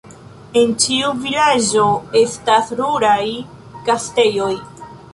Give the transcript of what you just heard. En ĉiu vilaĝo estas ruraj gastejoj.